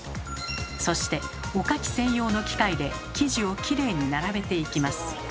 そしておかき専用の機械で生地をきれいに並べていきます。